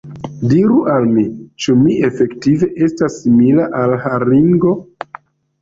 Diru al mi, ĉu mi efektive estas simila al haringo?